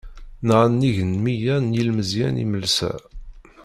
Nɣan nnig n miyya n yilmeẓyen imelsa.